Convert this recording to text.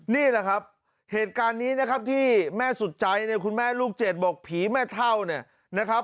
นี่นะครับเหตุการณ์นี้นะครับที่แม่สุดใจคุณแม่ลูก๗บอกผีไม่เท่า